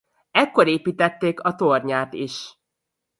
Ekkor építették a tornyát is.